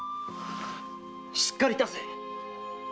しっかりいたせ！